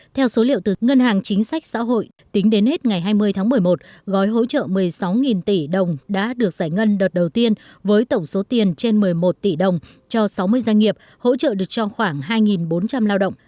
theo số liệu từ ngân hàng chính sách xã hội tính đến hết ngày hai mươi tháng một mươi một gói hỗ trợ một mươi sáu tỷ đồng đã được giải ngân đợt đầu tiên với tổng số tiền trên một mươi một tỷ đồng cho sáu mươi doanh nghiệp hỗ trợ được cho khoảng hai bốn trăm linh lao động